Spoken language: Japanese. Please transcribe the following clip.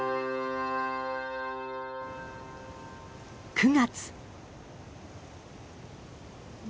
９月。